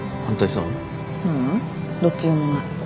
ううんどっちでもない。